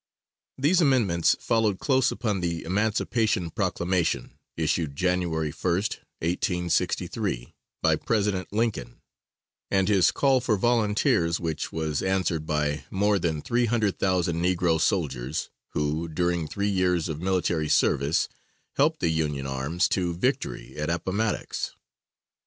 These amendments followed close upon the Emancipation Proclamation issued January 1st, 1863, by President Lincoln, and his call for volunteers, which was answered by more than three hundred thousand negro soldiers, who, during three years of military service, helped the Union arms to victory at Appomattox.